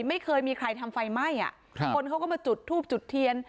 ไม่เคยมีใครทำไฟไหม้อ่ะครับคนเขาก็มาจุดทูบจุดเทียน